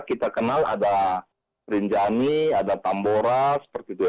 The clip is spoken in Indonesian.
kita kenal ada rinjani ada tambora seperti itu ya